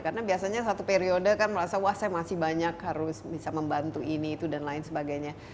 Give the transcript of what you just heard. karena biasanya satu periode kan merasa wah saya masih banyak harus bisa membantu ini itu dan lain sebagainya